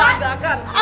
enggak enggak akan